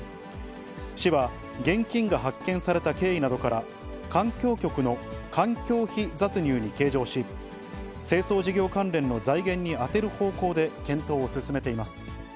市は現金が発見された経緯などから、環境局の環境費雑入に計上し、清掃事業関連の財源に充てる方向で検討を進めています。